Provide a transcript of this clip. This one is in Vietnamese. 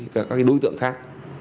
các đối tượng khác